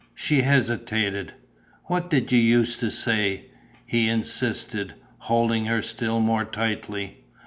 She hesitated. "What used you to say?" he insisted, holding her still more tightly.